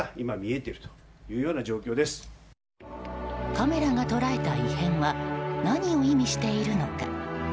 カメラが捉えた異変は何を意味しているのか。